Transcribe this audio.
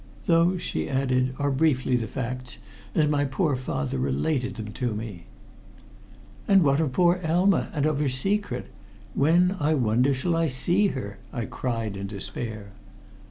Those," she added, "are briefly the facts, as my poor father related them to me." "And what of poor Elma and of her secret? When, I wonder, shall I see her?" I cried in despair.